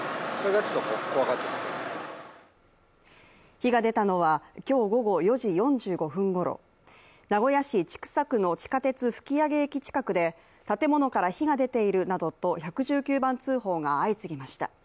火が出たのは今日午後４時４５分ごろ、名古屋市千種区の地下鉄吹上駅近くで建物から火が出ているなどと１１９番通報が相次ぎました。